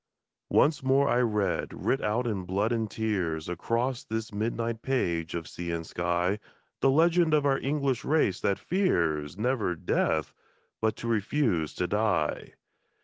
Once more I read, writ out in blood and tears, Across this midnight page of sea and sky, The legend of our English race that fears, never death, but to refuse to die